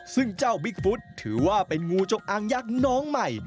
ซึ่งเจ้าบิ๊กฟุตถือว่าเป็นงูจงอางยักษ์น้องใหม่